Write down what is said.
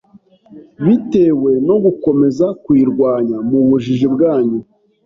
bitewe no gukomeza kuyirwanya mu bujiji bwanyu